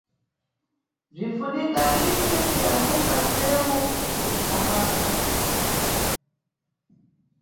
Bzinʼfunika lini kuyambuka nʼsewu tikuthamanga.